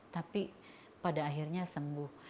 tapi pada akhirnya sembuh